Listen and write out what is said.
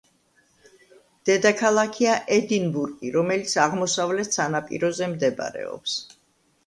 დედაქალაქია ედინბურგი, რომელიც აღმოსავლეთ სანაპიროზე მდებარეობს.